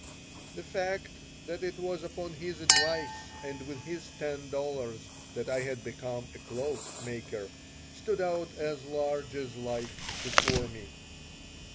The fact that it was upon his advice and with his ten dollars that I had become a cloak maker stood out as large as life before me.